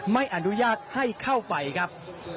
ไม่อนุญาตให้เข้าไปครับ